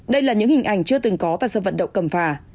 đây là những hình ảnh chưa từng có tại sân vận động cầm phả